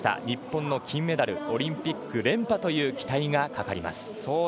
日本の金メダルオリンピック連覇という期待がかかります。